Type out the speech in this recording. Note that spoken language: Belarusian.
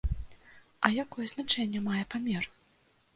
Якое значэнне мае памер?